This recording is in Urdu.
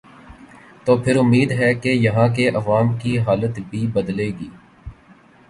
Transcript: توپھر امید ہے کہ یہاں کے عوام کی حالت بھی بدلے گی۔